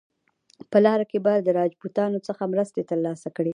په لاره کې به د راجپوتانو څخه مرستې ترلاسه کړي.